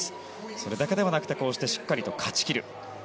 それだけではなくてしっかりと勝ちきる。